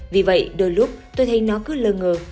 vì vậy đôi lúc tôi thấy nó cứ lơ ngợ